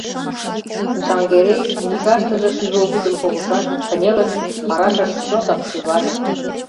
— Шаҥгерей умшаштыже шӱвылвӱдым погышат, кынелын, парашыш чотак шӱвале.